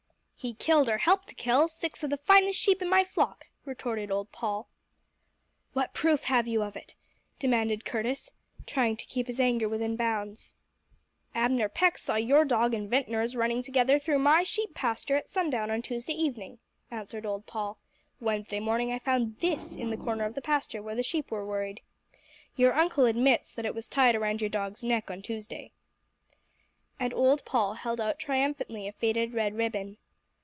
"He killed or helped to kill six of the finest sheep in my flock!" retorted old Paul. "What proof have you of it?" demanded Curtis, trying to keep his anger within bounds. "Abner Peck saw your dog and Ventnor's running together through my sheep pasture at sundown on Tuesday evening," answered old Paul. "Wednesday morning I found this in the corner of the pasture where the sheep were worried. Your uncle admits that it was tied around your dog's neck on Tuesday." And old Paul held out triumphantly a faded red ribbon.